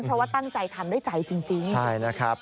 เพราะว่าตั้งใจทำด้วยใจจริง